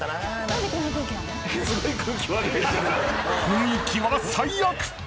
雰囲気は最悪。